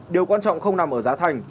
điều quan trọng không nằm ở giá thành